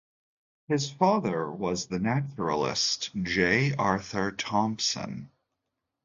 His father was the naturalist J. Arthur Thomson.